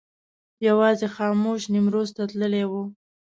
یوازې خاموش نیمروز ته تللی و.